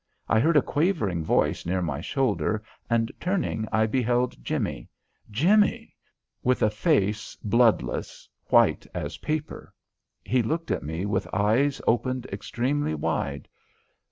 I heard a quavering voice near my shoulder, and, turning, I beheld Jimmie Jimmie with a face bloodless, white as paper. He looked at me with eyes opened extremely wide.